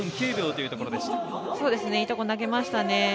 いいところ投げましたね。